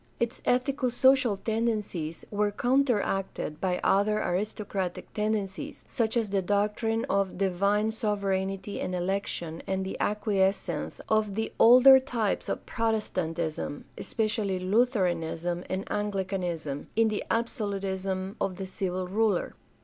Its ethico social tendencies were counter acted by other aristocratic tendencies — such as the doctrine of divine sovereignty and election and the acquiescence of the older types of Protestantism, especially Lutheranism and Anglicanism, in the absolutism of the civil ruler.